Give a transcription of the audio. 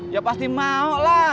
ya pasti mau lah